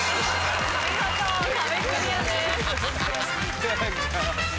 見事壁クリアです。